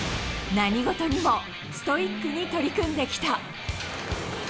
何事にもストイックに取り組んできた。